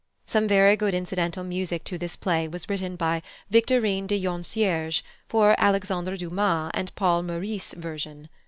Some very good incidental music to this play was written by +Victorin de Joncières+ for Alexandre Dumas and Paul Meurice's version.